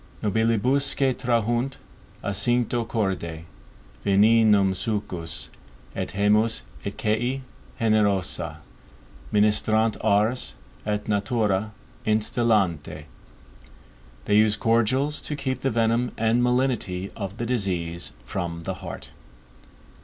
NOBILIBUSQUE TRAHUNT, A CINCTO CORDE, VENENUM, SUCCIS ET GEMMIS, ET QUÆ GENEROSA, MINISTRANT ARS, ET NATURA, INSTILLANT. _They use cordials, to keep the venom and malignity of the disease from the heart.